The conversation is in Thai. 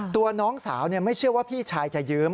ตัวน้องสาวไม่เชื่อว่าพี่ชายจะยืม